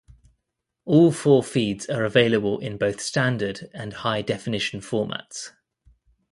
All four feeds are available in both standard and high definition formats.